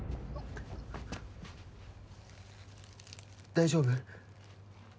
大丈夫？